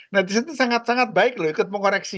nah disitu sangat sangat baik loh ikut mengoreksi